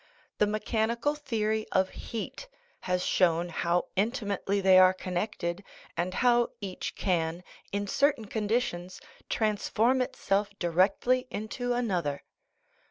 The mechanical theory of heat has shown how intimately they are connected, and how each can, in certain conditions, transform itself directly into another.